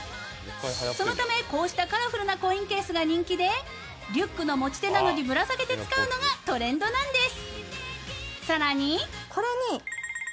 そのためこうしたカラフルなコインケースが人気で、リュックの持ち手などにぶら下げて使うのがトレンドなんです。